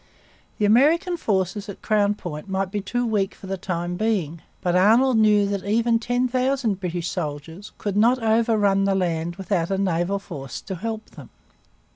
The American forces at Crown Point might be too weak for the time being. But Arnold knew that even ten thousand British soldiers could not overrun the land without a naval force to help them.